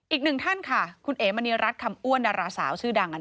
อีกหนึ่งท่านค่ะคุณเอ๋มณีรัฐคำอ้วนดาราสาวชื่อดัง